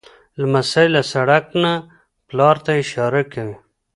لمسی له سړک نه پلار ته اشاره کوي.